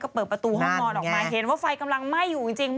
ก็เปิดประตูห้องนอนออกมาเห็นว่าไฟกำลังไหม้อยู่จริง